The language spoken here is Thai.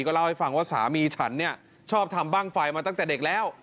เล่าให้ฟังว่าสามีฉันเนี่ยชอบทำบ้างไฟมาตั้งแต่เด็กแล้ว